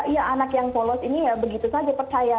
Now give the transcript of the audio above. ya anak yang polos ini ya begitu saja percaya